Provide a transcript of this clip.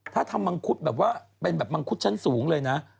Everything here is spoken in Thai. ถ้าทำมังคุดแบบว่าเป็นแบบมังคุดชั้นสูงเลยนะ